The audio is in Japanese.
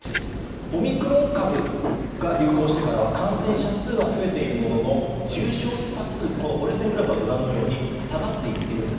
オミクロン株が流行してからは感染者数は増えているものの重症者数、折れ線グラフはご覧のように下がっていっていると。